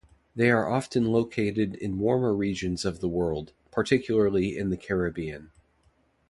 They are often located in warmer regions of the world, particularly in the Caribbean.